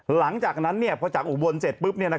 หลังจากนั้นพอจากอุบลเสร็จปุ๊บ